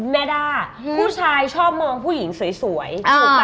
แม่ด้าผู้ชายชอบมองผู้หญิงสวยถูกไหม